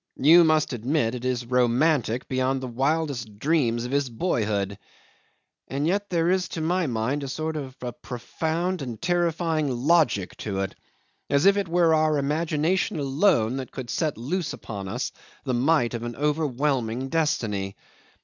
You must admit that it is romantic beyond the wildest dreams of his boyhood, and yet there is to my mind a sort of profound and terrifying logic in it, as if it were our imagination alone that could set loose upon us the might of an overwhelming destiny.